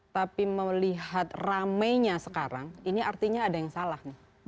tapi melihat rame nya sekarang ini artinya ada yang salah